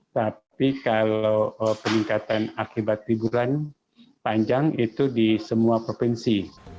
tapi kalau peningkatan akibat liburan panjang itu di semua provinsi